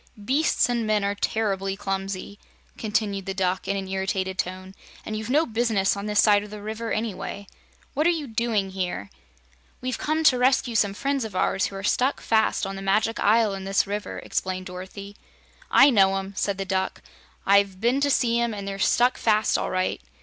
"Beasts and men are terribly clumsy," continued the Duck in an irritated tone, "and you've no business on this side of the River, anyway. What are you doing here?" "We've come to rescue some friends of ours who are stuck fast on the Magic Isle in this river," explained Dorothy. "I know 'em," said the Duck. "I've been to see 'em, and they're stuck fast, all right.